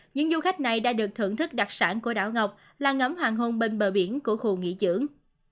những du khách này đã được thưởng thức đặc sản của đảo ngọc lan ngấm hoàng hôn bên bờ biển của khu nghỉ dưỡng